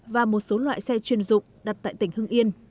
và một số loại xe chuyên dụng đặt tại tỉnh hưng yên